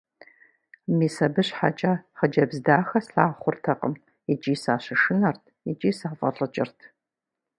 Мис абы щхьэкӀэ хъыджэбз дахэ слъагъу хъуртэкъым – икӀи сащышынэрт, икӀи сафӀэлӀыкӀырт.